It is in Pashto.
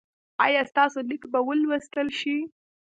ایا ستاسو لیک به ولوستل شي؟